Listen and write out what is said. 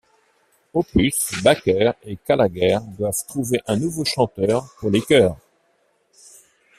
Hoppus, Barker et Gallagher doivent trouver un nouveau chanteur pour les chœurs.